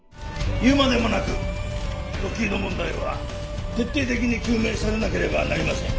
言うまでもなくロッキード問題は徹底的に究明されなければなりません。